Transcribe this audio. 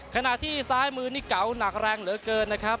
ขณะที่ซ้ายมือนี่เก๋าหนักแรงเหลือเกินนะครับ